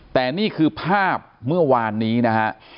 แต่นี่คือภาพเมื่อวานนี้นะฮะ